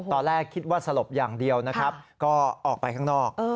ตอนแรกคิดว่าสลบอย่างเดียวนะครับก็ออกไปข้างนอก